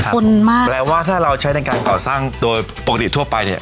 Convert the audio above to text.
คนมากแปลว่าถ้าเราใช้ในการก่อสร้างโดยปกติทั่วไปเนี่ย